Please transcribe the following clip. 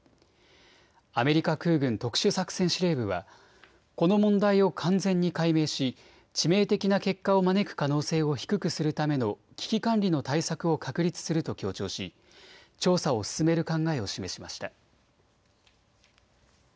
アメリカ空軍特殊作戦司令部はこの問題を完全に解明し致命的な結果を招く可能性を低くするための危機管理の対策を確立すると強調し、調査を進める考えを示しました。